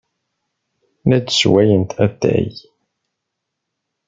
La d-ssewwayent atay.